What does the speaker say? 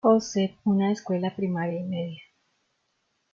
Joseph, una escuela primaria y media.